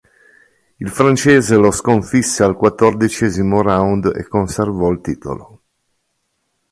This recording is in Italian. Il francese lo sconfisse al quattordicesimo round e conservò il titolo.